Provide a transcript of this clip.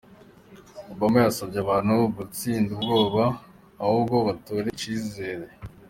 Obama yasavye abantu kutsinda ubwoba ahubwo batore icizere.